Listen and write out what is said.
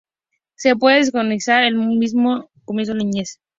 Se puede diagnosticar al comienzo de la niñez.